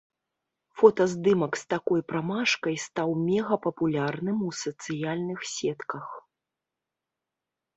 Фотаздымак з такой прамашкай стаў мегапапулярным у сацыяльных сетках.